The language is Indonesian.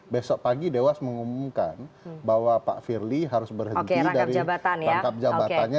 besok pagi dewas mengumumkan bahwa pak firly harus berhenti dari rangkap jabatannya